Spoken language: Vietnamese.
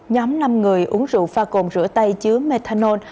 nhóm năm người uống rượu pha cồn rửa tay chứa methanol